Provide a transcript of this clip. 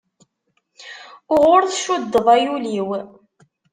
Uɣur tcuddeḍ ay ul-iw.